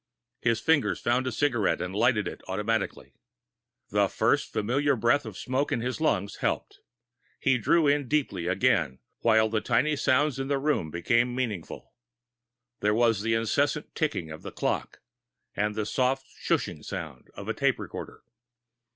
His fingers found a cigarette and lighted it automatically. The first familiar breath of smoke in his lungs helped. He drew in deeply again, while the tiny sounds in the room became meaningful. There was the insistent ticking of a clock and the soft shushing sound of a tape recorder.